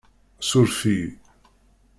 Suref-iyi!